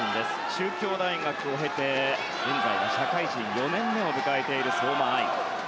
中京大学を経て現在は社会人４年目を迎えている相馬あい。